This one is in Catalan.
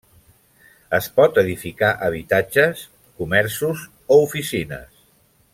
Es pot edificar habitatges, comerços o oficines.